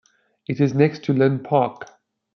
It is next to Linn Park.